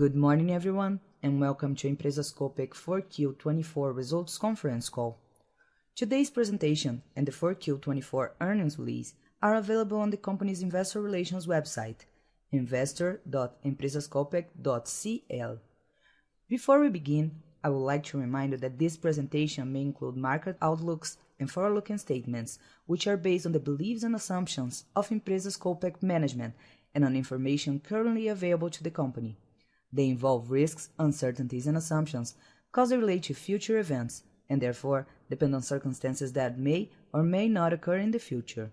Good morning, everyone, and welcome to Empresas Copec Q4 2024 Results Conference Call. Today's presentation and the Q4 2024 Earnings Release are available on the company's Investor Relations website, investor.empresascopec.cl. Before we begin, I would like to remind you that this presentation may include market outlooks and forward-looking statements, which are based on the beliefs and assumptions of Empresas Copec management and on information currently available to the company. They involve risks, uncertainties, and assumptions causally related to future events and, therefore, depend on circumstances that may or may not occur in the future.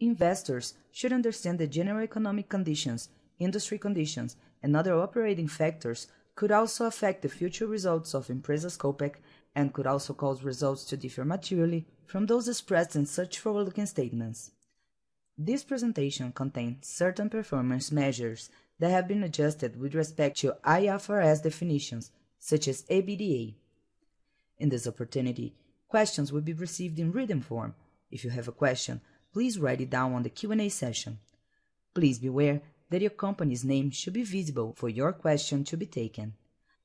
Investors should understand that general economic conditions, industry conditions, and other operating factors could also affect the future results of Empresas Copec and could also cause results to differ materially from those expressed in such forward-looking statements. This presentation contains certain performance measures that have been adjusted with respect to IFRS definitions, such as EBITDA. In this opportunity, questions will be received in written form. If you have a question, please write it down on the Q&A session. Please be aware that your company's name should be visible for your question to be taken.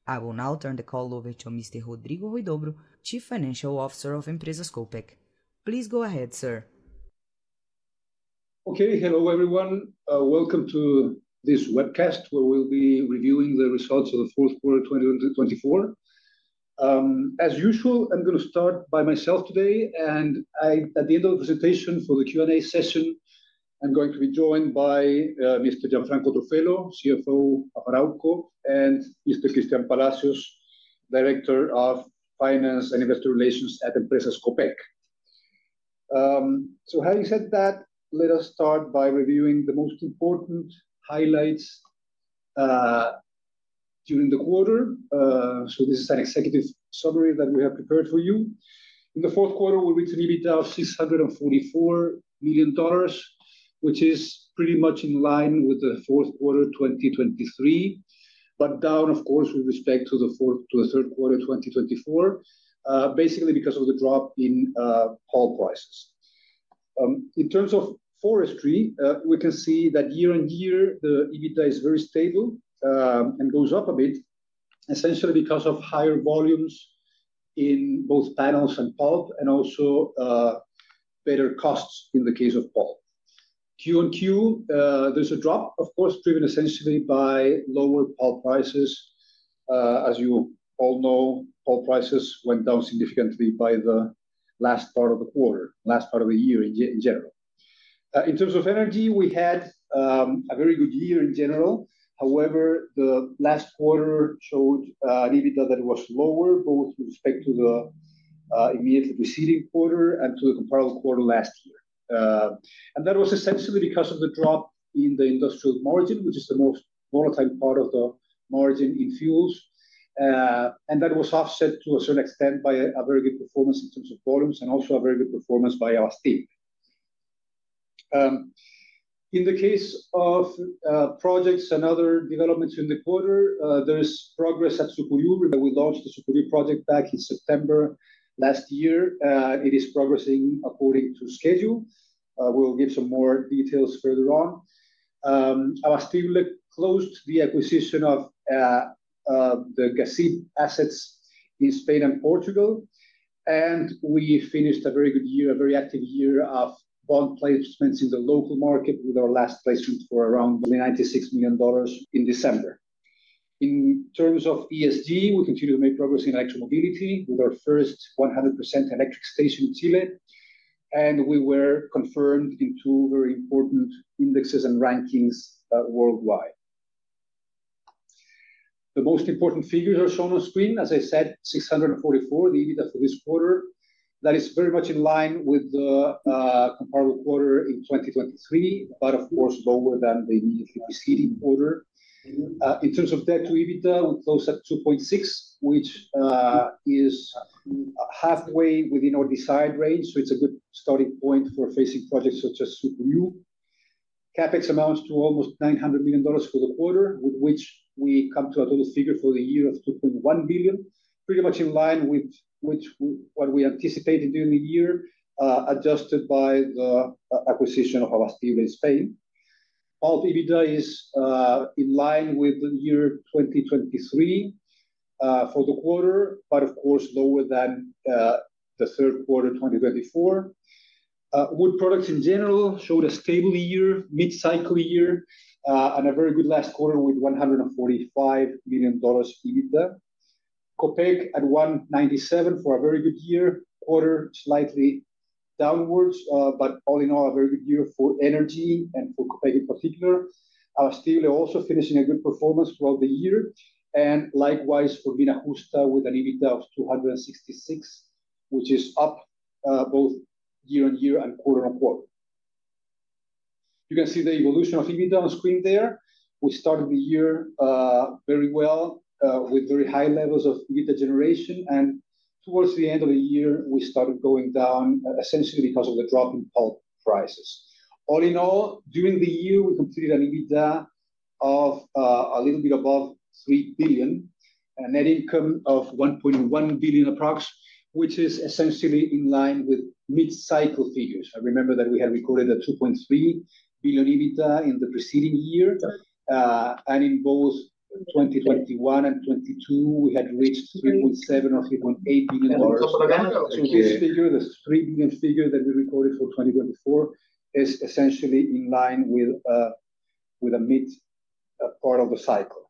I will now turn the call over to Mr. Rodrigo Huidobro, Chief Financial Officer of Empresas Copec. Please go ahead, sir. Okay, hello, everyone. Welcome to this webcast where we'll be reviewing the results of the Q4 of 2024. As usual, I'm going to start by myself today, and at the end of the presentation for the Q&A session, I'm going to be joined by Mr. Gianfranco Truffello, CFO of Arauco, and Mr. Cristián Palacios, Director of Finance and Investor Relations at Empresas Copec. So, having said that, let us start by reviewing the most important highlights during the quarter. So, this is an executive summary that we have prepared for you. In the Q4, we reached an EBITDA of $644 million, which is pretty much in line with the Q4 of 2023, but down, of course, with respect to the Q3 of 2024, basically because of the drop in pump prices. In terms of forestry, we can see that year-on-year, the EBITDA is very stable and goes up a bit, essentially because of higher volumes in both panels and pulp, and also better costs in the case of pulp. Q-on-Q, there's a drop, of course, driven essentially by lower pulp prices. As you all know, pulp prices went down significantly by the last part of the quarter, last part of the year in general. In terms of energy, we had a very good year in general. However, the last quarter showed an EBITDA that was lower, both with respect to the immediately preceding quarter and to the comparable quarter last year, and that was essentially because of the drop in the industrial margin, which is the most volatile part of the margin in fuels. And that was offset to a certain extent by a very good performance in terms of volumes and also a very good performance by our stations. In the case of projects and other developments in the quarter, there is progress at Sucuriú. We launched Project Sucuriú back in September last year. It is progressing according to schedule. We will give some more details further on. Abastible closed the acquisition of the Gasib assets in Spain and Portugal, and we finished a very good year, a very active year of bond placements in the local market with our last placement for around $296 million in December. In terms of ESG, we continue to make progress in electromobility with our first 100% electric station in Chile, and we were confirmed in two very important indexes and rankings worldwide. The most important figures are shown on screen. As I said, $644 million EBITDA for this quarter, that is very much in line with the comparable quarter in 2023, but of course, lower than the immediately preceding quarter. In terms of debt to EBITDA, we closed at 2.6x, which is halfway within our desired range. So, it's a good starting point for facing projects such as Sucuriú. CapEx amounts to almost $900 million for the quarter, with which we come to a total figure for the year of $2.1 billion, pretty much in line with what we anticipated during the year, adjusted by the acquisition of Abastible in Spain. Pulp EBITDA is in line with the year 2023 for the quarter, but of course, lower than the Q3 of 2024. Wood products in general showed a stable year, mid-cycle year, and a very good last quarter with $145 million EBITDA. Copec at $197 for a very good year, quarter slightly downwards, but all in all, a very good year for energy and for Copec in particular. Abastible also finishing a good performance throughout the year, and likewise for Mina Justa with an EBITDA of $266, which is up both year-on-year and quarter-on-quarter. You can see the evolution of EBITDA on screen there. We started the year very well with very high levels of EBITDA generation, and towards the end of the year, we started going down essentially because of the drop in pulp prices. All in all, during the year, we completed an EBITDA of a little bit above $3 billion and a net income of $1.1 billion approximately, which is essentially in line with mid-cycle figures. I remember that we had recorded a $2.3 billion EBITDA in the preceding year, and in both 2021 and 2022, we had reached $3.7 or $3.8 billion. So, this figure, the $3 billion figure that we recorded for 2024, is essentially in line with a mid part of the cycle.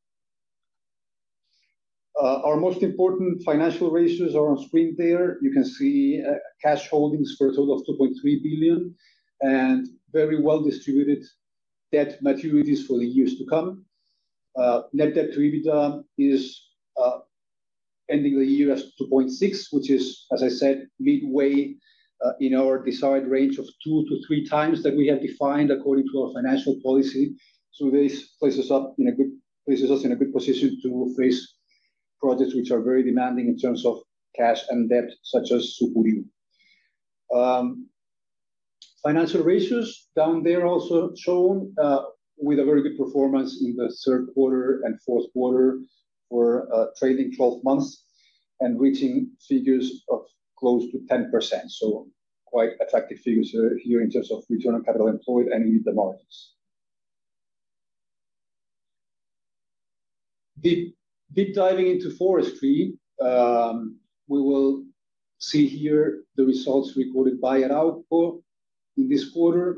Our most important financial ratios are on screen there. You can see cash holdings for a total of $2.3 billion and very well-distributed debt maturities for the years to come. Net debt to EBITDA is ending the year at 2.6x, which is, as I said, midway in our desired range of two to three times that we have defined according to our financial policy. So, this places us in a good position to face projects which are very demanding in terms of cash and debt, such as Sucuriú. Financial ratios down there also shown with a very good performance in the Q3 and Q4 for trailing 12 months and reaching figures of close to 10%, so quite attractive figures here in terms of return on capital employed and EBITDA margins. Deep diving into forestry, we will see here the results recorded by Arauco in this quarter,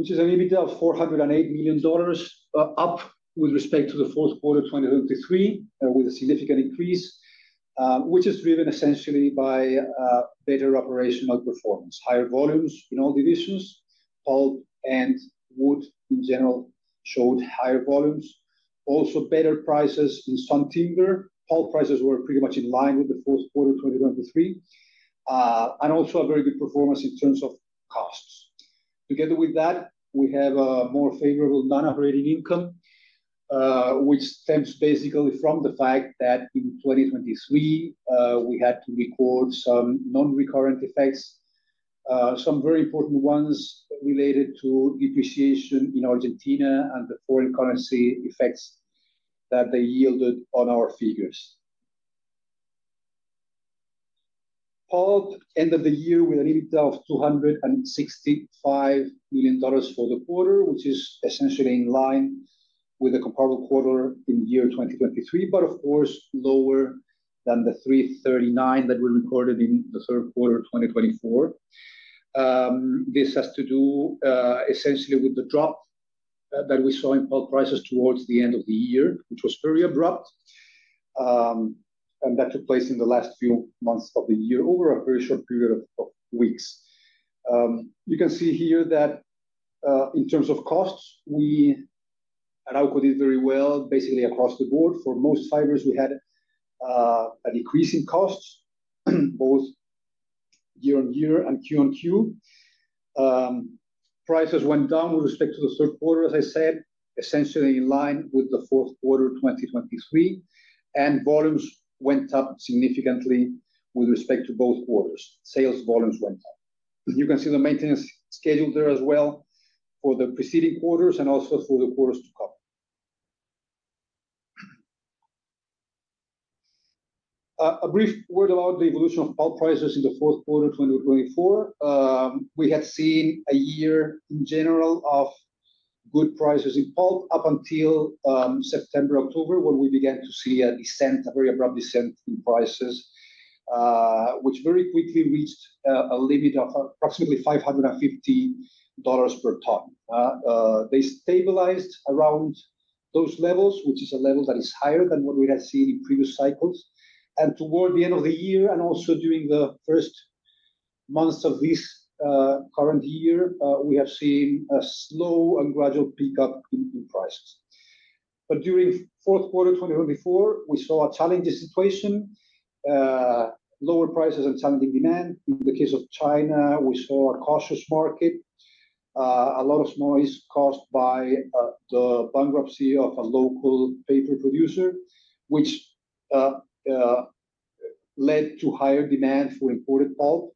which is an EBITDA of $408 million, up with respect to the Q4 of 2023, with a significant increase, which is driven essentially by better operational performance, higher volumes in all divisions. Pulp and wood in general showed higher volumes. Also, better prices in some timber. Pulp prices were pretty much in line with the Q4 of 2023, and also a very good performance in terms of costs. Together with that, we have a more favorable non-operating income, which stems basically from the fact that in 2023, we had to record some non-recurrent effects, some very important ones related to depreciation in Argentina and the foreign currency effects that they yielded on our figures. Pulp ended the year with an EBITDA of $265 million for the quarter, which is essentially in line with the comparable quarter in year 2023, but of course, lower than the $339 that we recorded in the Q4 of 2024. This has to do essentially with the drop that we saw in pulp prices towards the end of the year, which was very abrupt, and that took place in the last few months of the year over a very short period of weeks. You can see here that in terms of costs, Arauco did very well basically across the board. For most fibers, we had an increase in costs, both year-on-year and Q-on-Q. Prices went down with respect to the Q4, as I said, essentially in line with the Q4 of 2023, and volumes went up significantly with respect to both quarters. Sales volumes went up. You can see the maintenance schedule there as well for the preceding quarters and also for the quarters to come. A brief word about the evolution of pulp prices in the Q4 of 2024. We had seen a year in general of good prices in pulp up until September, October, when we began to see a descent, a very abrupt descent in prices, which very quickly reached a limit of approximately $550 per ton. They stabilized around those levels, which is a level that is higher than what we had seen in previous cycles. Toward the end of the year and also during the first months of this current year, we have seen a slow and gradual pickup in prices. During the Q4 of 2024, we saw a challenging situation, lower prices and challenging demand. In the case of China, we saw a cautious market, a lot of noise caused by the bankruptcy of a local paper producer, which led to higher demand for imported pulp.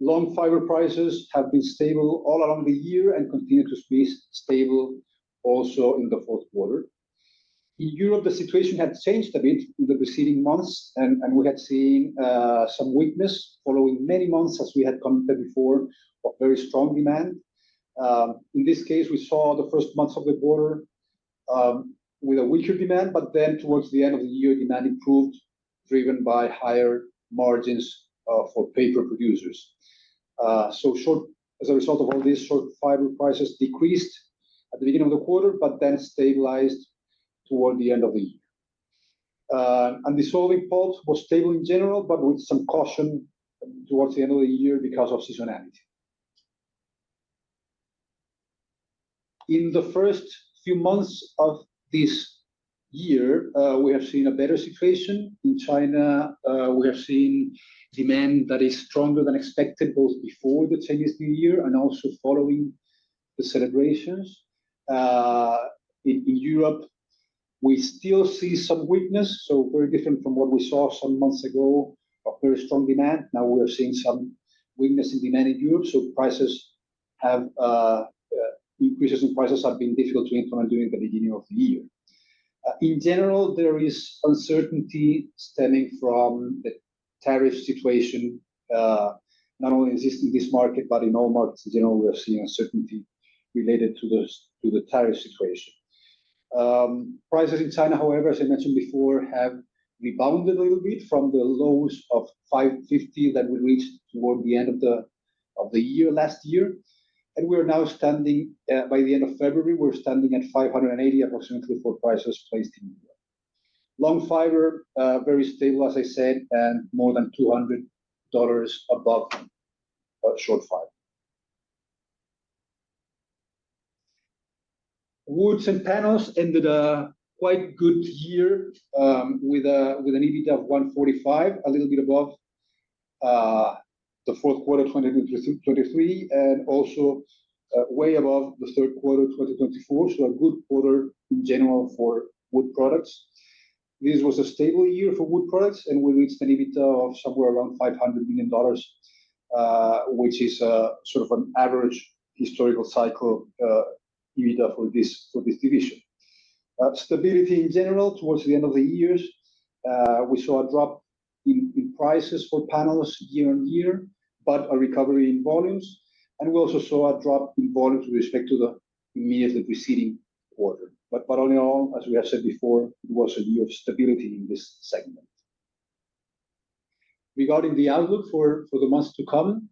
Long fiber prices have been stable all along the year and continue to be stable also in the Q4. In Europe, the situation had changed a bit in the preceding months, and we had seen some weakness following many months, as we had commented before, of very strong demand. In this case, we saw the first months of the quarter with a weaker demand, but then toward the end of the year, demand improved, driven by higher margins for paper producers. So, as a result of all this, short fiber prices decreased at the beginning of the quarter, but then stabilized toward the end of the year. And the dissolving pulp was stable in general, but with some caution toward the end of the year because of seasonality. In the first few months of this year, we have seen a better situation. In China, we have seen demand that is stronger than expected, both before the Chinese New Year and also following the celebrations. In Europe, we still see some weakness, so very different from what we saw some months ago of very strong demand. Now we are seeing some weakness in demand in Europe, so increases in prices have been difficult to implement during the beginning of the year. In general, there is uncertainty stemming from the tariff situation, not only existing in this market, but in all markets in general. We are seeing uncertainty related to the tariff situation. Prices in China, however, as I mentioned before, have rebounded a little bit from the lows of $550 that we reached toward the end of the year last year, and we are now standing by the end of February; we're standing at $580 approximately for prices placed in Europe. Long fiber, very stable, as I said, and more than $200 above short fiber. Woods and panels ended a quite good year with an EBITDA of $145, a little bit above the Q4 of 2023, and also way above the Q3 of 2024. A good quarter in general for wood products. This was a stable year for wood products, and we reached an EBITDA of somewhere around $500 million, which is sort of an average historical cycle EBITDA for this division. Stability in general towards the end of the year. We saw a drop in prices for panels year-on-year, but a recovery in volumes. And we also saw a drop in volumes with respect to the mid of the preceding quarter. But all in all, as we have said before, it was a year of stability in this segment. Regarding the outlook for the months to come,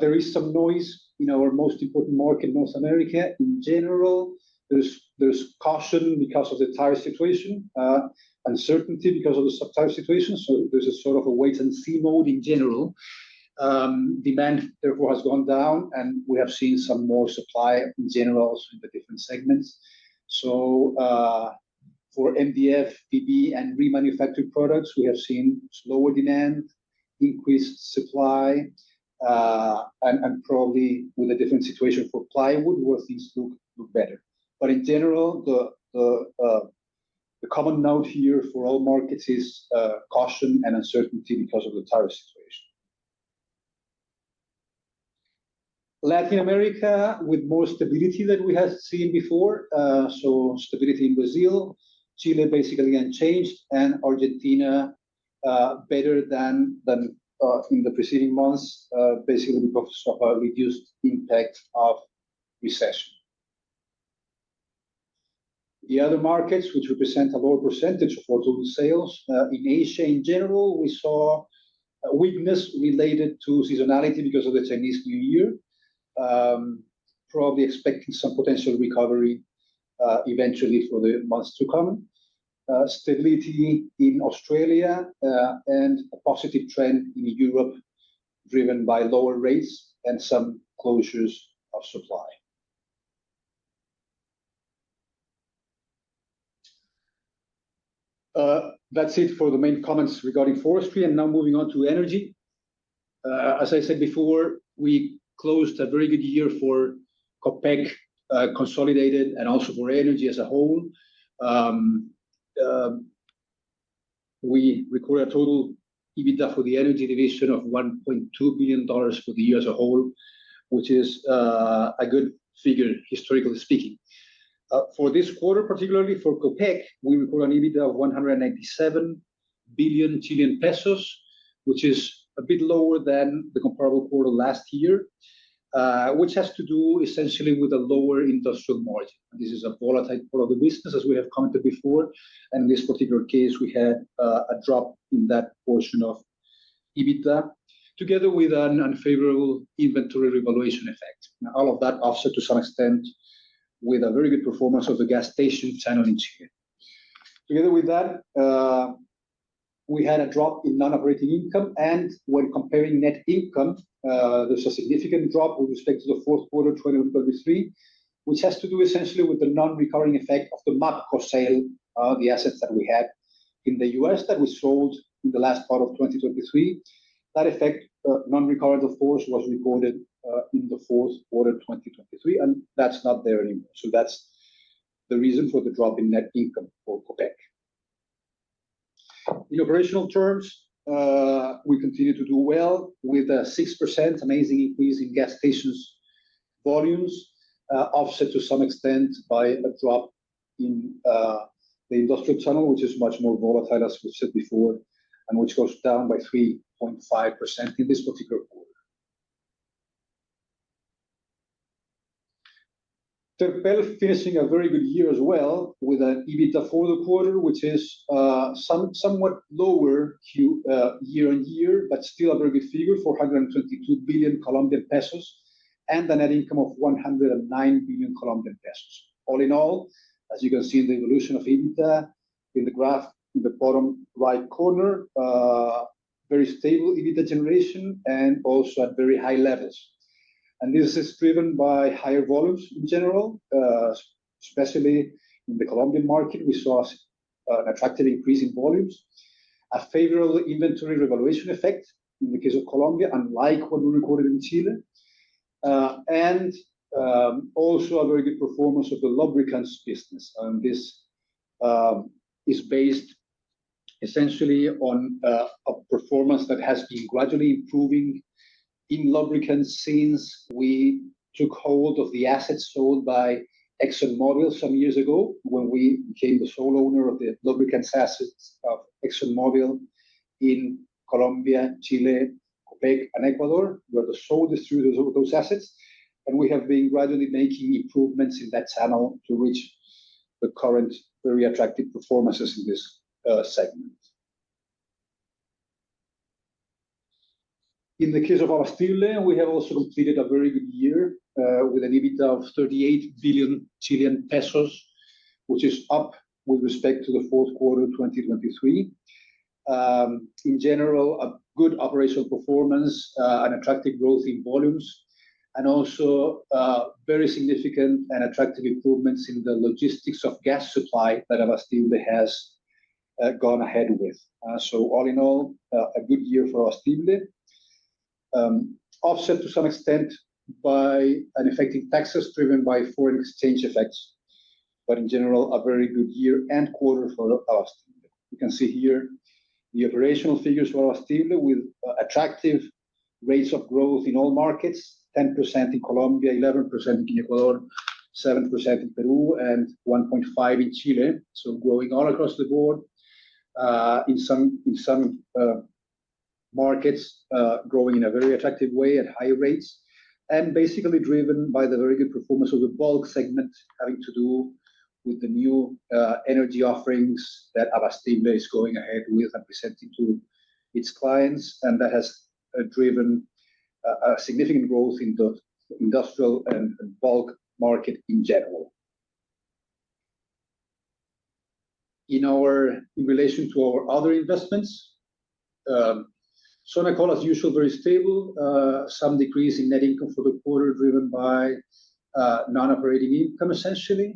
there is some noise in our most important market, North America. In general, there's caution because of the tariff situation, uncertainty because of the sub-tariff situation. There's a sort of a wait-and-see mode in general. Demand, therefore, has gone down, and we have seen some more supply in general in the different segments, so for MDF, PB, and remanufactured products, we have seen lower demand, increased supply, and probably with a different situation for plywood where things look better, but in general, the common note here for all markets is caution and uncertainty because of the tariff situation. Latin America with more stability than we have seen before, so stability in Brazil, Chile basically unchanged, and Argentina better than in the preceding months, basically because of a reduced impact of recession. The other markets, which represent a lower percentage of total sales in Asia in general, we saw weakness related to seasonality because of the Chinese New Year, probably expecting some potential recovery eventually for the months to come. Stability in Australia and a positive trend in Europe, driven by lower rates and some closures of supply. That's it for the main comments regarding forestry. Now moving on to energy. As I said before, we closed a very good year for Copec, consolidated, and also for energy as a whole. We recorded a total EBITDA for the energy division of $1.2 billion for the year as a whole, which is a good figure, historically speaking. For this quarter, particularly for Copec, we recorded an EBITDA of 197 billion Chilean pesos, which is a bit lower than the comparable quarter last year, which has to do essentially with a lower industrial margin. This is a volatile part of the business, as we have commented before. In this particular case, we had a drop in that portion of EBITDA, together with an unfavorable inventory revaluation effect. All of that offset to some extent with a very good performance of the gas station channel in Chile. Together with that, we had a drop in non-operating income, and when comparing net income, there's a significant drop with respect to the Q4 of 2023, which has to do essentially with the non-recurring effect of the MAPCO sale, the assets that we had in the US that we sold in the last part of 2023. That effect, non-recurring, of course, was recorded in the Q4 of 2023, and that's not there anymore, so that's the reason for the drop in net income for Copec. In operational terms, we continue to do well with a 6% massive increase in gas station volumes, offset to some extent by a drop in the industrial channel, which is much more volatile, as we've said before, and which goes down by 3.5% in this particular quarter. Terpel, finishing a very good year as well with an EBITDA for the quarter, which is somewhat lower year-on-year, but still a very good figure, COP 422 billion Colombian pesos, and a net income of COP 109 billion Colombian pesos. All in all, as you can see in the evolution of EBITDA in the graph in the bottom right corner, very stable EBITDA generation and also at very high levels, and this is driven by higher volumes in general, especially in the Colombian market. We saw an attractive increase in volumes, a favorable inventory revaluation effect in the case of Colombia, unlike what we recorded in Chile, and also a very good performance of the lubricants business, and this is based essentially on a performance that has been gradually improving in lubricants since we took hold of the assets sold by ExxonMobil some years ago when we became the sole owner of the lubricants assets of ExxonMobil in Colombia, Chile, Copec, and Ecuador, where the sole distributor of those assets, and we have been gradually making improvements in that channel to reach the current very attractive performances in this segment. In the case of Abastible, we have also completed a very good year with an EBITDA of 38 billion Chilean pesos, which is up with respect to the Q4 of 2023. In general, a good operational performance, an attractive growth in volumes, and also very significant and attractive improvements in the logistics of gas supply that Abastible has gone ahead with, so all in all, a good year for Abastible, offset to some extent by an effect in taxes driven by foreign exchange effects, but in general, a very good year and quarter for Abastible. You can see here the operational figures for Abastible with attractive rates of growth in all markets, 10% in Colombia, 11% in Ecuador, 7% in Peru, and 1.5% in Chile, so growing all across the board in some markets, growing in a very attractive way at high rates, and basically driven by the very good performance of the bulk segment, having to do with the new energy offerings that Abastible is going ahead with and presenting to its clients. That has driven a significant growth in the industrial and bulk market in general. In relation to our other investments, Sonacol, as usual, very stable, some decrease in net income for the quarter driven by non-operating income essentially.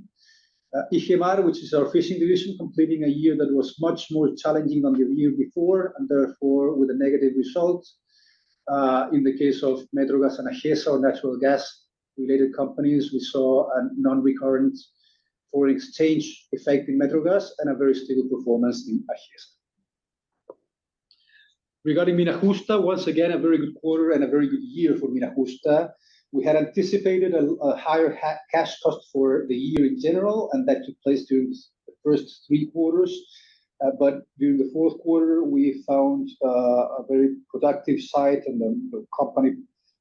Igemar, which is our fishing division, completing a year that was much more challenging than the year before and therefore with a negative result. In the case of Metrogas and AGESA, our natural gas-related companies, we saw a non-recurrent foreign exchange effect in Metrogas and a very stable performance in AGESA. Regarding Mina Justa, once again, a very good quarter and a very good year for Mina Justa. We had anticipated a higher cash cost for the year in general, and that took place during the first three quarters. But during the Q4, we found a very productive site and the company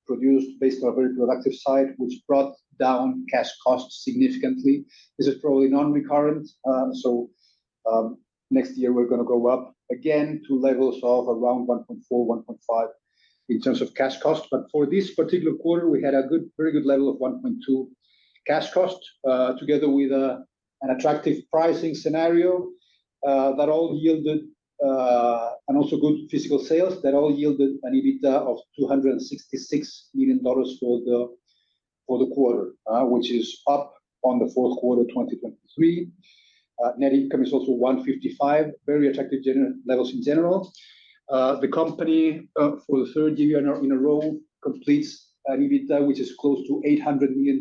produced based on a very productive site, which brought down cash costs significantly. This is probably non-recurrent. So next year, we're going to go up again to levels of around 1.4-1.5 in terms of cash cost. But for this particular quarter, we had a very good level of 1.2 cash cost, together with an attractive pricing scenario that all yielded and also good physical sales that all yielded an EBITDA of $266 million for the quarter, which is up on the Q4 of 2023. Net income is also $155, very attractive levels in general. The company, for the third year in a row, completes an EBITDA, which is close to $800 million.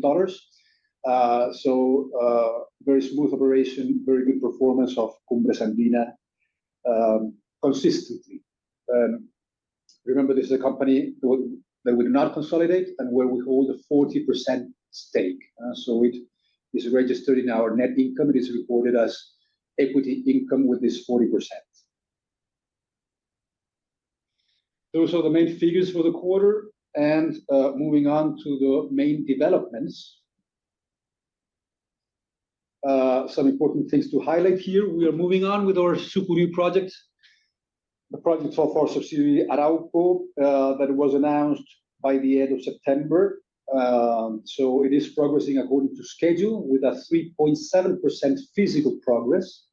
So very smooth operation, very good performance of Cumbres Andina consistently. Remember, this is a company that we do not consolidate and where we hold a 40% stake. So it is registered in our net income. It is reported as equity income with this 40%. Those are the main figures for the quarter. And moving on to the main developments, some important things to highlight here. We are moving on with our Sucuriú project, the project so far subsidiary Arauco that was announced by the end of September. So it is progressing according to schedule with a 3.7% physical progress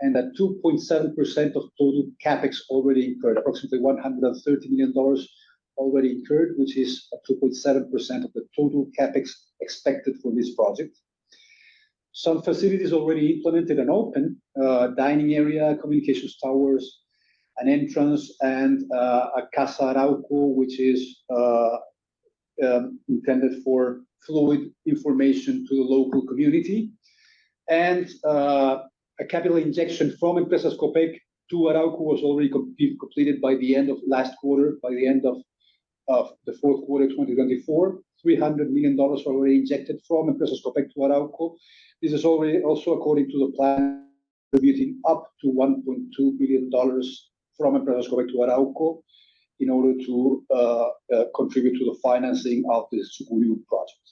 and a 2.7% of total CapEx already incurred, approximately $130 million already incurred, which is a 2.7% of the total CapEx expected for this project. Some facilities already implemented and opened: dining area, communications towers, an entrance, and a Casa Arauco, which is intended for fluid information to the local community. A capital injection from Empresas Copec to Arauco was already completed by the end of last quarter, by the end of the Q4 of 2024. $300 million already injected from Empresas Copec to Arauco. This is also according to the plan, contributing up to $1.2 billion from Empresas Copec to Arauco in order to contribute to the financing of the Sucuriú project.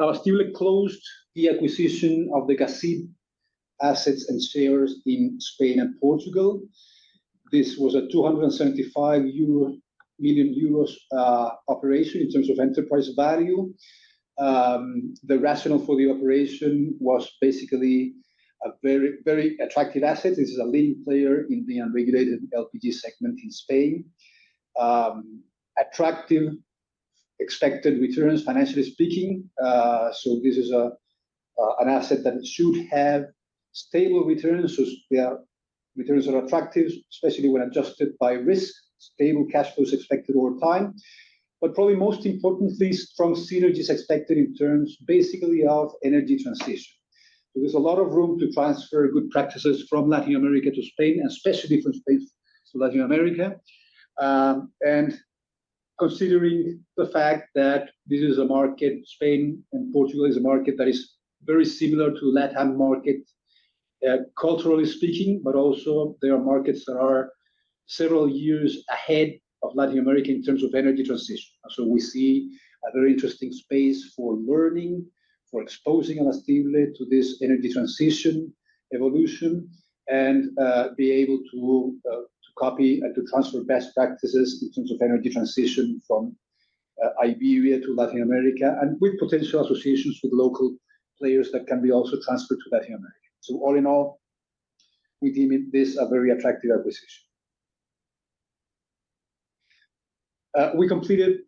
Abastible closed the acquisition of the Gasib assets and shares in Spain and Portugal. This was a 275 million euro operation in terms of enterprise value. The rationale for the operation was basically a very attractive asset. This is a leading player in the unregulated LPG segment in Spain. Attractive expected returns, financially speaking. This is an asset that should have stable returns. Returns are attractive, especially when adjusted by risk. Stable cash flows expected over time. But probably most importantly, strong synergies expected in terms basically of energy transition. So there's a lot of room to transfer good practices from Latin America to Spain, especially from Spain to Latin America. And considering the fact that this is a market, Spain and Portugal is a market that is very similar to the Latin market, culturally speaking, but also there are markets that are several years ahead of Latin America in terms of energy transition. So we see a very interesting space for learning, for exposing Abastible to this energy transition evolution and be able to copy and to transfer best practices in terms of energy transition from Iberia to Latin America and with potential associations with local players that can be also transferred to Latin America. So all in all, we deem this a very attractive acquisition. We completed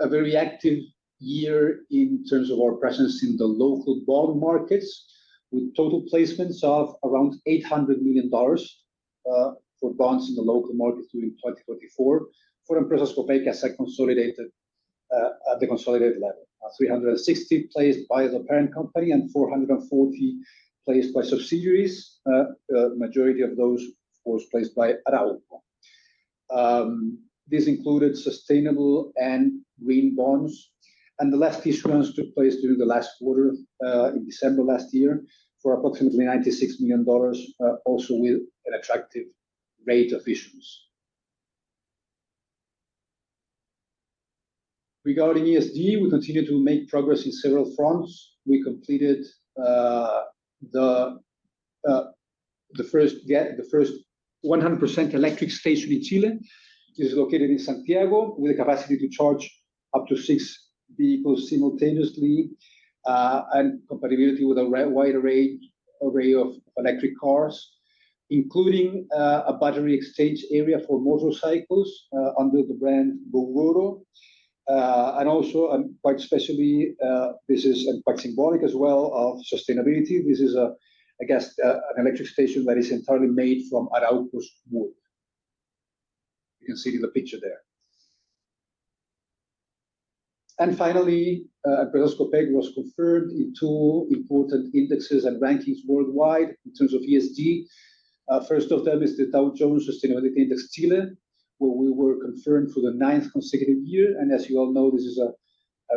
a very active year in terms of our presence in the local bond markets, with total placements of around $800 million for bonds in the local market during 2024. For Empresas Copec, the consolidated level, $360 million placed by the parent company and $440 million placed by subsidiaries. The majority of those, of course, placed by Arauco. This included sustainable and green bonds, and the last issuance took place during the last quarter in December last year for approximately $96 million, also with an attractive rate of issuance. Regarding ESG, we continue to make progress in several fronts. We completed the first 100% electric station in Chile. This is located in Santiago with the capacity to charge up to six vehicles simultaneously and compatibility with a wide array of electric cars, including a battery exchange area for motorcycles under the brand Gogoro. Also, quite specially, this is quite symbolic as well of sustainability. This is, I guess, an electric station that is entirely made from Arauco's wood. You can see it in the picture there. Finally, Empresas Copec was confirmed in two important indexes and rankings worldwide in terms of ESG. First of them is the Dow Jones Sustainability Index Chile, where we were confirmed for the ninth consecutive year. As you all know, this is a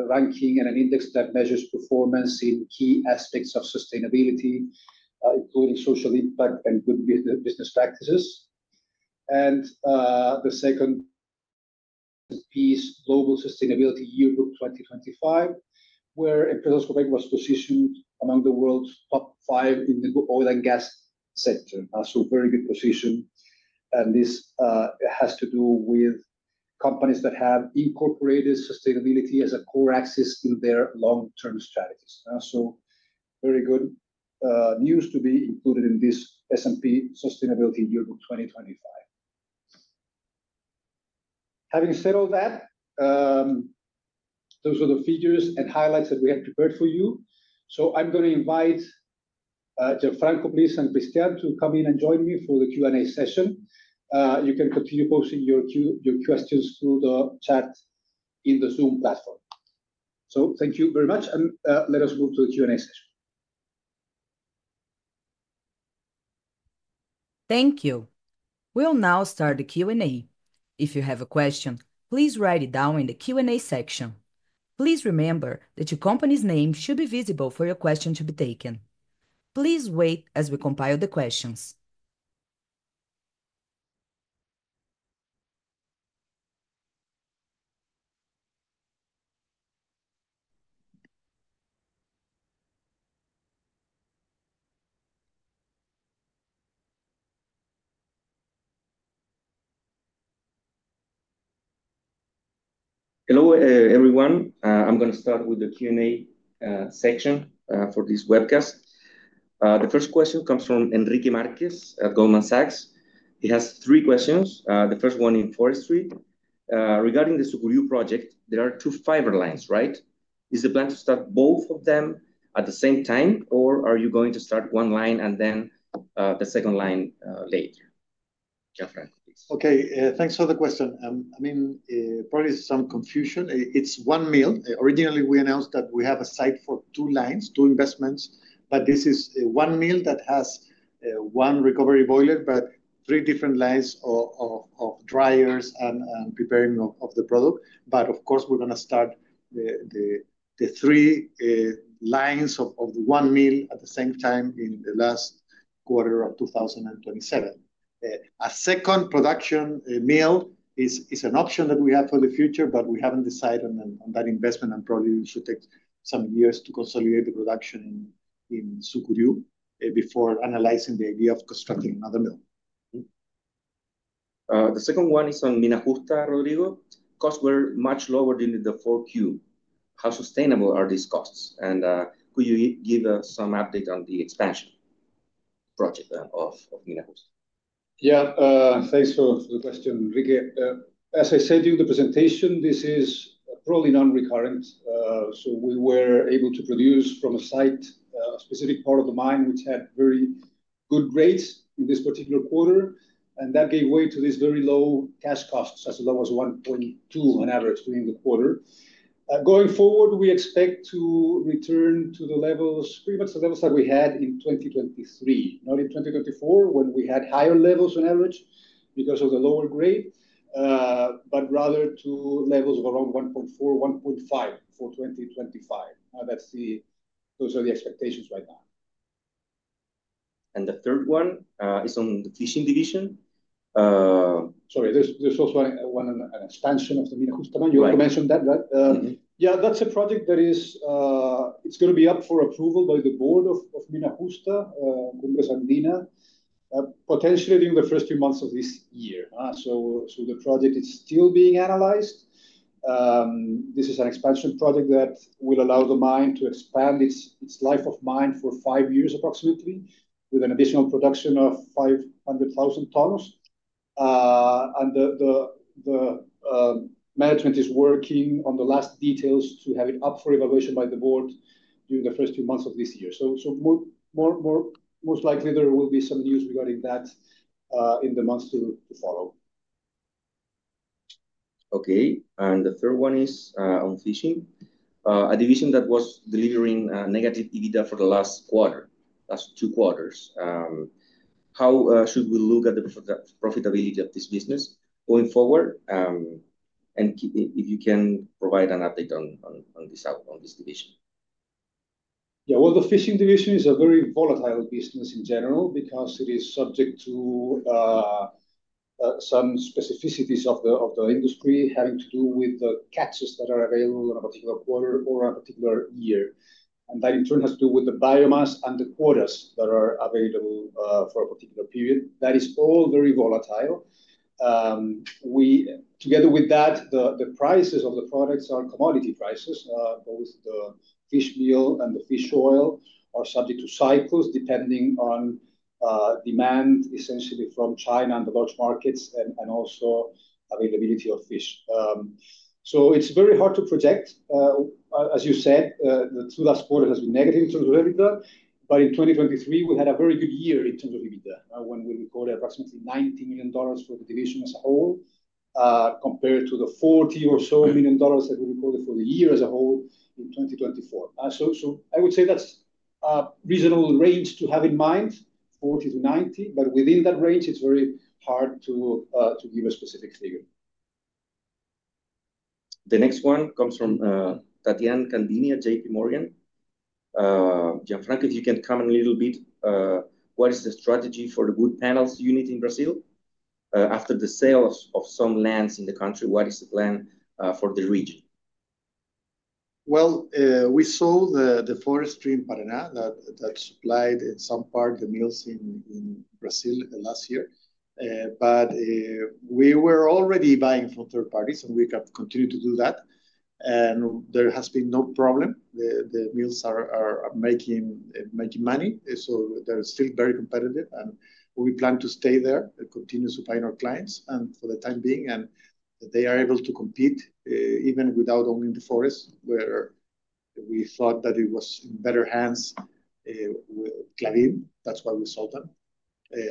ranking and an index that measures performance in key aspects of sustainability, including social impact and good business practices. The second piece, Global Sustainability Yearbook 2025, where Empresas Copec was positioned among the world's top five in the oil and gas sector. So very good position. This has to do with companies that have incorporated sustainability as a core axis in their long-term strategies. So very good news to be included in this S&P Sustainability Yearbook 2025. Having said all that, those are the figures and highlights that we had prepared for you. So I'm going to invite Gianfranco, please, and Cristián to come in and join me for the Q&A session. You can continue posting your questions through the chat in the Zoom platform. So thank you very much. And let us move to the Q&A session. Thank you. We'll now start the Q&A. If you have a question, please write it down in the Q&A section. Please remember that your company's name should be visible for your question to be taken. Please wait as we compile the questions. Hello everyone. I'm going to start with the Q&A section for this webcast. The first question comes from Henrique Marques at Goldman Sachs. He has three questions. The first one in forestry. Regarding the Sucuriú project, there are two fiber lines, right? Is the plan to start both of them at the same time, or are you going to start one line and then the second line later? Gianfranco, please. Okay. Thanks for the question. I mean, probably some confusion. It's one mill. Originally, we announced that we have a site for two lines, two investments, but this is one mill that has one recovery boiler, but three different lines of dryers and preparing of the product. But of course, we're going to start the three lines of one mill at the same time in the last quarter of 2027. A second production mill is an option that we have for the future, but we haven't decided on that investment, and probably it should take some years to consolidate the production in Sucuriú before analyzing the idea of constructing another mill. The second one is on Mina Justa, Rodrigo. Costs were much lower during the Q4. How sustainable are these costs? And could you give us some update on the expansion project of Mina Justa? Yeah, thanks for the question, Enrique. As I said during the presentation, this is probably non-recurrent. So we were able to produce from a site, a specific part of the mine, which had very good grades in this particular quarter, and that gave way to these very low cash costs, as low as $1.2 on average during the quarter. Going forward, we expect to return to the levels, pretty much the levels that we had in 2023, not in 2024 when we had higher levels on average because of the lower grade, but rather to levels of around $1.4 to 1.5 for 2025. Those are the expectations right now. The third one is on the fishing division. Sorry, there's also an expansion of the Mina Justa mine. You already mentioned that, right? Yeah, that's a project, it's going to be up for approval by the board of Mina Justa, Cumbres Andina, potentially during the first few months of this year. The project is still being analyzed. This is an expansion project that will allow the mine to expand its life of mine for five years approximately, with an additional production of 500,000 tons. The management is working on the last details to have it up for evaluation by the board during the first few months of this year. Most likely, there will be some news regarding that in the months to follow. Okay. And the third one is on fishing, a division that was delivering negative EBITDA for the last quarter, last two quarters. How should we look at the profitability of this business going forward? And if you can provide an update on this division. Yeah, well, the fishing division is a very volatile business in general because it is subject to some specificities of the industry having to do with the catches that are available in a particular quarter or a particular year. And that in turn has to do with the biomass and the quotas that are available for a particular period. That is all very volatile. Together with that, the prices of the products are commodity prices. Both the fish meal and the fish oil are subject to cycles depending on demand, essentially from China and the large markets and also availability of fish. So it's very hard to project. As you said, the last quarter has been negative in terms of EBITDA, but in 2023, we had a very good year in terms of EBITDA when we recorded approximately $90 million for the division as a whole compared to the $40 million or so that we recorded for the year as a whole in 2024. So I would say that's a reasonable range to have in mind, $40 to 90 million, but within that range, it's very hard to give a specific figure. The next one comes from Tathiane Candini at JP Morgan. Gianfranco, if you can comment a little bit, what is the strategy for the wood panels unit in Brazil? After the sale of some lands in the country, what is the plan for the region? We saw the forestry in Paraná that supplied in some part the mills in Brazil last year. We were already buying from third parties, and we have continued to do that. There has been no problem. The mills are making money, so they're still very competitive. We plan to stay there and continue supplying our clients for the time being. They are able to compete even without owning the forest where we thought that it was in better hands with Klabin. That's why we sold them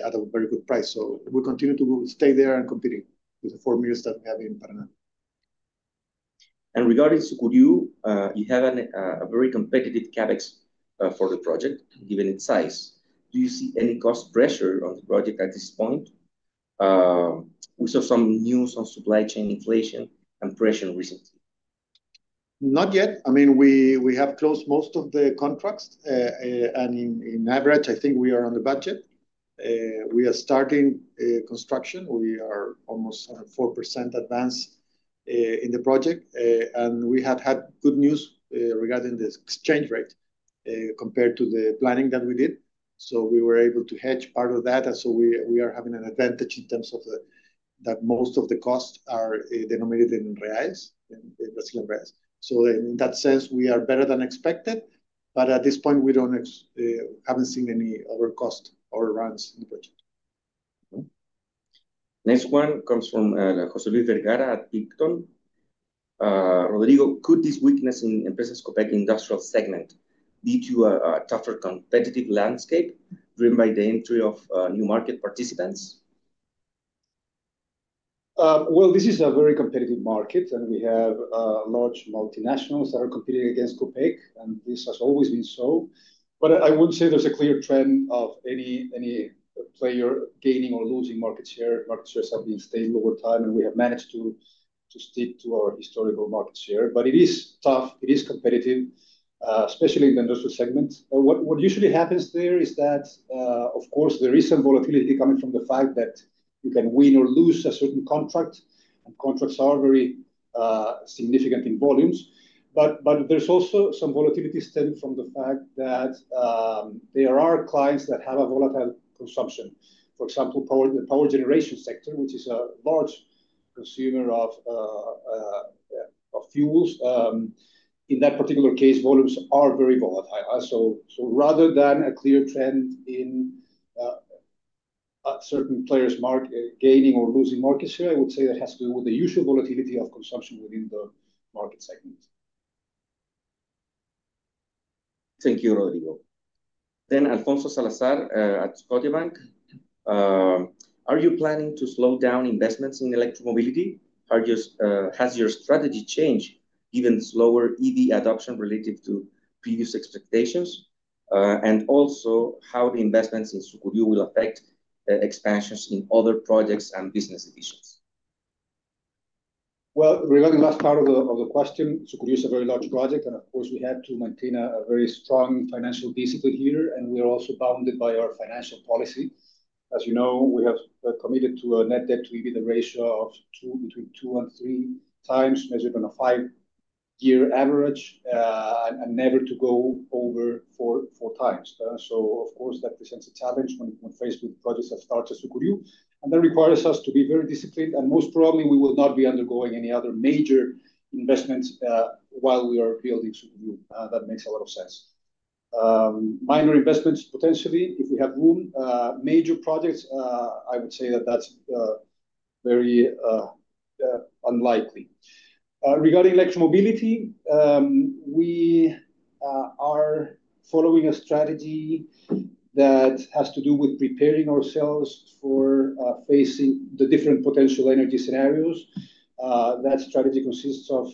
at a very good price. We continue to stay there and compete with the four mills that we have in Paraná. Regarding Sucuriú, you have a very competitive CapEx for the project, given its size. Do you see any cost pressure on the project at this point? We saw some news on supply chain inflation and pressure recently. Not yet. I mean, we have closed most of the contracts. And in average, I think we are on the budget. We are starting construction. We are almost 4% advanced in the project. And we have had good news regarding the exchange rate compared to the planning that we did. So we were able to hedge part of that. And so we are having an advantage in terms of that most of the costs are denominated in reais, in Brazilian reais. So in that sense, we are better than expected. But at this point, we haven't seen any overcost or runs in the project. Next one comes from Jose Luis Vergara at Picton. Rodrigo, could this weakness in Empresas Copec industrial segment lead to a tougher competitive landscape driven by the entry of new market participants? This is a very competitive market, and we have large multinationals that are competing against Copec, and this has always been so. But I wouldn't say there's a clear trend of any player gaining or losing market share. Market shares have been stable over time, and we have managed to stick to our historical market share. But it is tough. It is competitive, especially in the industrial segment. What usually happens there is that, of course, there is some volatility coming from the fact that you can win or lose a certain contract, and contracts are very significant in volumes. But there's also some volatility stemming from the fact that there are clients that have a volatile consumption. For example, the power generation sector, which is a large consumer of fuels. In that particular case, volumes are very volatile. Rather than a clear trend in certain players' gaining or losing market share, I would say that has to do with the usual volatility of consumption within the market segment. Thank you, Rodrigo. Then Alfonso Salazar at Scotiabank. Are you planning to slow down investments in electromobility? Has your strategy changed given slower EV adoption related to previous expectations? And also, how the investments in Sucuriú will affect expansions in other projects and business decisions? Regarding the last part of the question, Sucuriú is a very large project. And of course, we had to maintain a very strong financial discipline here, and we are also bound by our financial policy. As you know, we have committed to a net debt to EBITDA ratio of between two and three times measured on a five-year average and never to go over four times. So of course, that presents a challenge when faced with projects that start at Sucuriú. And that requires us to be very disciplined. And most probably, we will not be undergoing any other major investments while we are building Sucuriú. That makes a lot of sense. Minor investments, potentially, if we have room. Major projects, I would say that that's very unlikely. Regarding electromobility, we are following a strategy that has to do with preparing ourselves for facing the different potential energy scenarios. That strategy consists of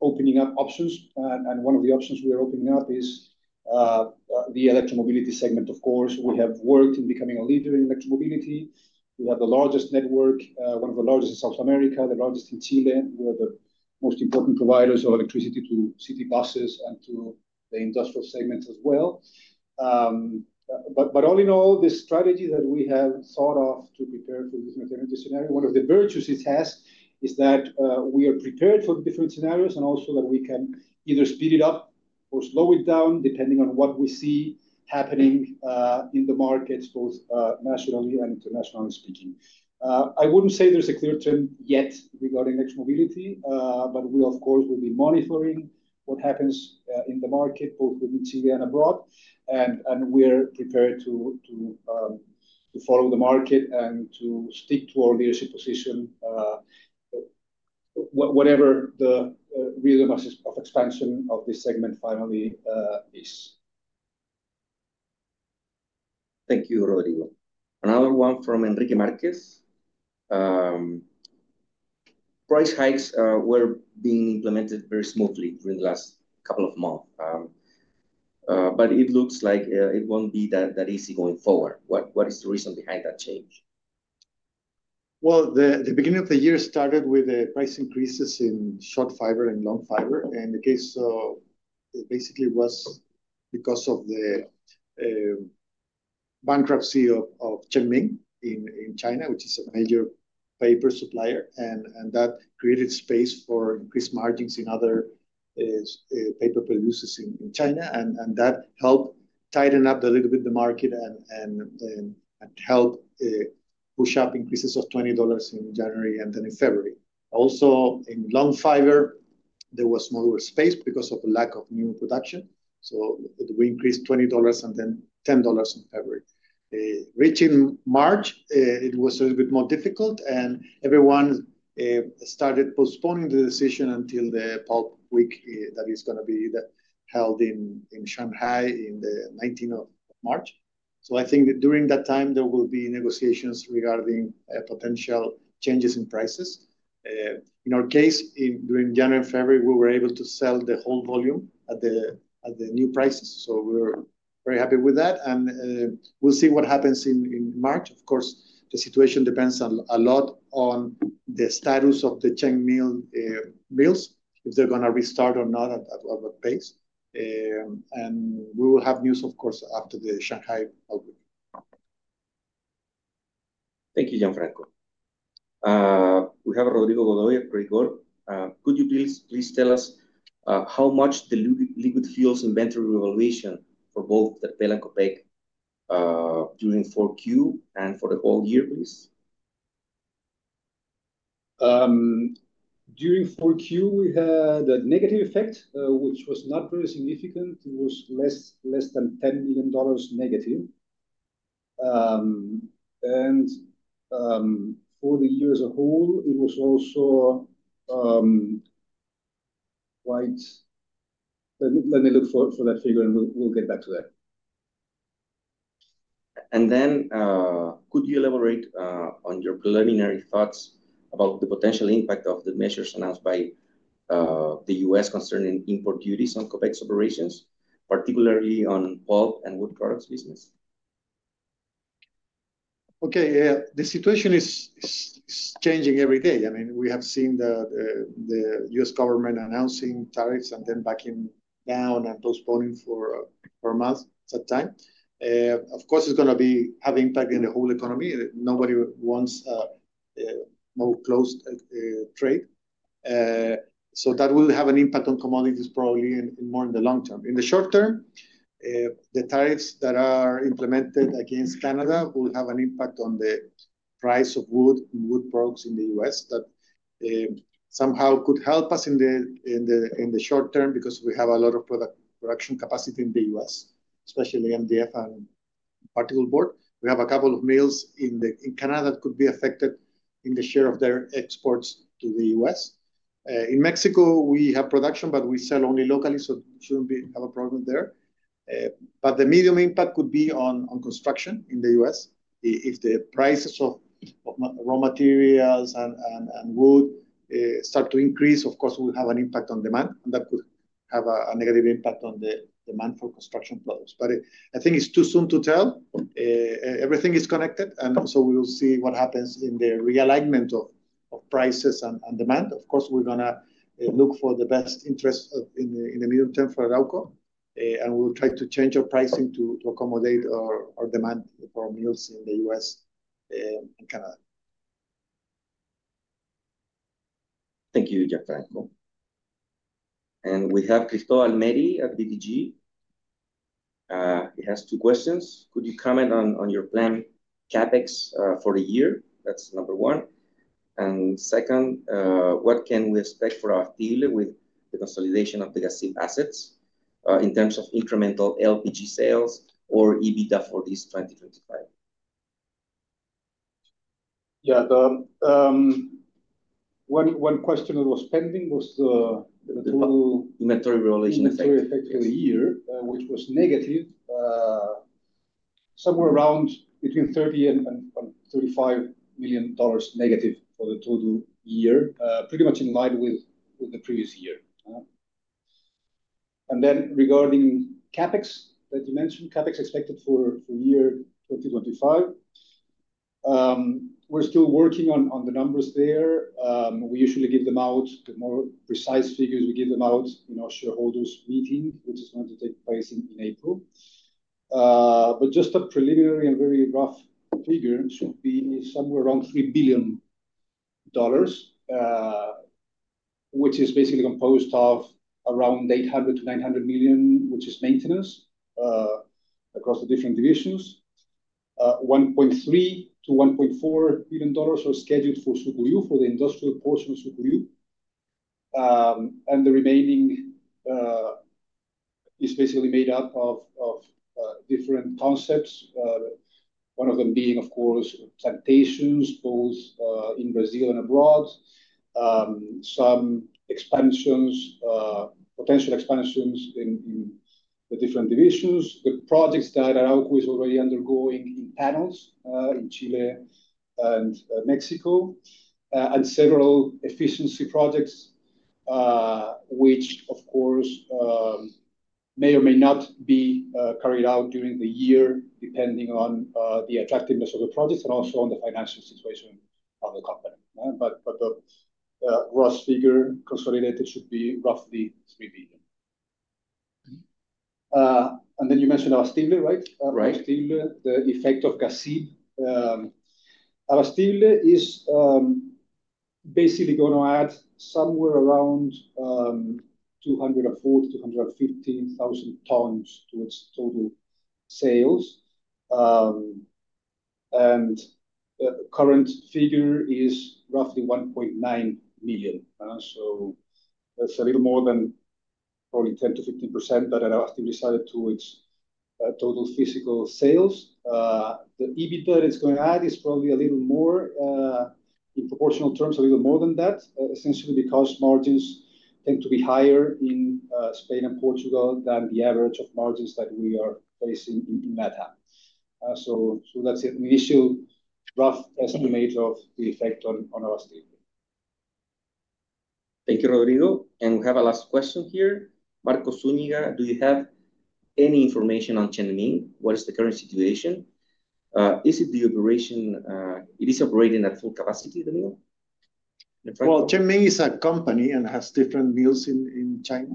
opening up options. And one of the options we are opening up is the electromobility segment, of course. We have worked in becoming a leader in electromobility. We have the largest network, one of the largest in South America, the largest in Chile. We are the most important providers of electricity to city buses and to the industrial segments as well. But all in all, the strategy that we have thought of to prepare for this alternative scenario, one of the virtues it has, is that we are prepared for different scenarios and also that we can either speed it up or slow it down depending on what we see happening in the markets, both nationally and internationally speaking. I wouldn't say there's a clear trend yet regarding electromobility, but we, of course, will be monitoring what happens in the market, both within Chile and abroad. And we're prepared to follow the market and to stick to our leadership position, whatever the rhythm of expansion of this segment finally is. Thank you, Rodrigo. Another one from Henrique Marques. Price hikes were being implemented very smoothly during the last couple of months. But it looks like it won't be that easy going forward. What is the reason behind that change? The beginning of the year started with the price increases in short fiber and long fiber. The case basically was because of the bankruptcy of Chenming in China, which is a major paper supplier. That created space for increased margins in other paper producers in China. That helped tighten up a little bit the market and helped push up increases of $20 in January and then in February. Also, in long fiber, there was more space because of lack of new production. We increased $20 and then $10 in February. Reaching March, it was a little bit more difficult, and everyone started postponing the decision until the Pulp Week that is going to be held in Shanghai on the 19th of March. I think that during that time, there will be negotiations regarding potential changes in prices. In our case, during January and February, we were able to sell the whole volume at the new prices, so we're very happy with that, and we'll see what happens in March. Of course, the situation depends a lot on the status of the Chenming mills, if they're going to restart or not, at what pace. And we will have news, of course, after the Shanghai Pulp Week. Thank you, Gianfranco. We have Rodrigo Godoy at Bci Corredor de Bolsa. Could you please tell us how much the liquid fuels inventory revaluation for both Terpel and Copec during Q4 and for the whole year, please? During Q4, we had a negative effect, which was not very significant. It was less than $10 million negative. And for the year as a whole, it was also quite, let me look for that figure, and we'll get back to that. Then, could you elaborate on your preliminary thoughts about the potential impact of the measures announced by the US concerning import duties on Copec's operations, particularly on pulp and wood products business? Okay. The situation is changing every day. I mean, we have seen the US government announcing tariffs and then backing down and postponing for months at a time. Of course, it's going to have an impact in the whole economy. Nobody wants more closed trade. So that will have an impact on commodities, probably more in the long term. In the short term, the tariffs that are implemented against Canada will have an impact on the price of wood and wood products in the US that somehow could help us in the short term because we have a lot of production capacity in the US, especially MDF and particleboard. We have a couple of mills in Canada that could be affected in the share of their exports to the US In Mexico, we have production, but we sell only locally, so it shouldn't have a problem there. But the medium impact could be on construction in the US If the prices of raw materials and wood start to increase, of course, we'll have an impact on demand, and that could have a negative impact on the demand for construction products. But I think it's too soon to tell. Everything is connected, and so we will see what happens in the realignment of prices and demand. Of course, we're going to look for the best interest in the medium term for Arauco, and we'll try to change our pricing to accommodate our demand for mills in the US and Canada. Thank you, Gianfranco. And we have Cristóbal Mery at BTG. He has two questions. Could you comment on your plan CapEx for the year? That's number one. And second, what can we expect for our deal with the consolidation of the Gasib assets in terms of incremental LPG sales or EBITDA for this 2025? Yeah. One question that was pending was the total inventory revaluation effect. Inventory effect for the year, which was negative, somewhere around between $30 to 35 million negative for the total year, pretty much in line with the previous year. And then regarding CapEx that you mentioned, CapEx expected for year 2025, we're still working on the numbers there. We usually give them out the more precise figures we give them out in our shareholders' meeting, which is going to take place in April. But just a preliminary and very rough figure should be somewhere around $3 billion, which is basically composed of around $800 to 900 million, which is maintenance across the different divisions. $1.3 to 1.4 billion are scheduled for Sucuriú, for the industrial portion of Sucuriú. And the remaining is basically made up of different concepts, one of them being, of course, plantations both in Brazil and abroad, some potential expansions in the different divisions, the projects that Arauco is already undergoing in panels in Chile and Mexico, and several efficiency projects, which, of course, may or may not be carried out during the year depending on the attractiveness of the projects and also on the financial situation of the company. But the gross figure consolidated should be roughly $3 billion. And then you mentioned Abastible, right? Right. Abastible, the effect of Gasib. Abastible is basically going to add somewhere around 204,000 to 215,000 tons to its total sales. The current figure is roughly $1.9 million. That's a little more than probably 10% to 15% that Abastible decided to its total physical sales. The EBITDA that it's going to add is probably a little more in proportional terms, a little more than that, essentially because margins tend to be higher in Spain and Portugal than the average of margins that we are facing in LatAm. That's an initial rough estimate of the effect on Abastible. Thank you, Rodrigo. We have a last question here. Marcos Zúñiga, do you have any information on Chenming? What is the current situation? Is it the operation it is operating at full capacity in the mill? Chenming is a company and has different mills in China.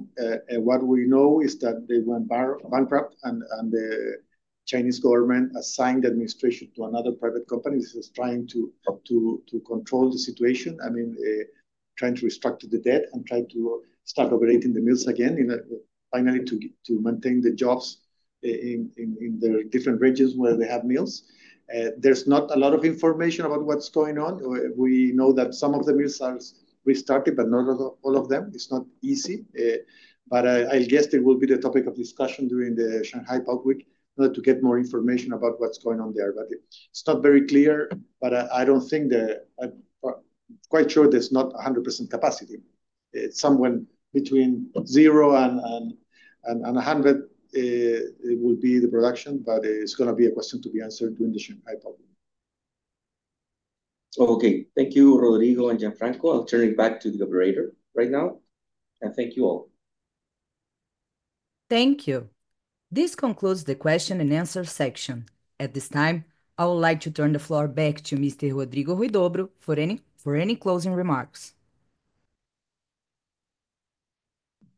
What we know is that they went bankrupt, and the Chinese government assigned administration to another private company. This is trying to control the situation. I mean, trying to restructure the debt and try to start operating the mills again, finally to maintain the jobs in their different regions where they have mills. There's not a lot of information about what's going on. We know that some of the mills are restarted, but not all of them. It's not easy. But I guess it will be the topic of discussion during the Shanghai Pulp Week to get more information about what's going on there. But it's not very clear, but I don't think I'm quite sure there's not 100% capacity. Somewhere between zero and 100% will be the production, but it's going to be a question to be answered during the Shanghai Pulp Week. Okay. Thank you, Rodrigo and Gianfranco. I'll turn it back to the operator right now, and thank you all. Thank you. This concludes the question and answer section. At this time, I would like to turn the floor back to Mr. Rodrigo Huidobro for any closing remarks.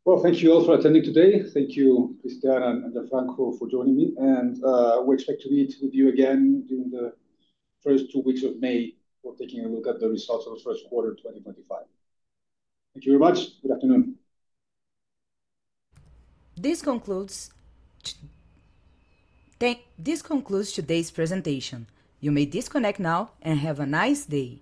Well, thank you all for attending today. Thank you, Cristián and Gianfranco, for joining me, and we expect to meet with you again during the first two weeks of May for taking a look at the results of the Q1 of 2025. Thank you very much. Good afternoon. This concludes today's presentation. You may disconnect now and have a nice day.